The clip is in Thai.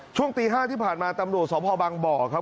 ช่วงตี๕ที่ผ่านมาตำรวจสพบังบ่อครับ